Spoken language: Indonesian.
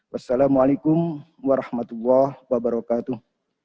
wassalamualaikum warahmatullah wabarakatuh